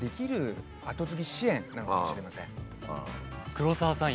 黒沢さん